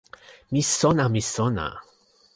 mi sona, mi sona!